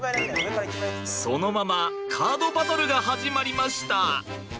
そのままカードバトルが始まりました。